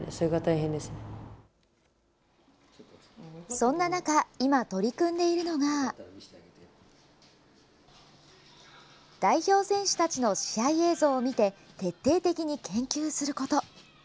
そんな中今、取り組んでいるのが代表選手たちの試合映像を見て徹底的に研究すること。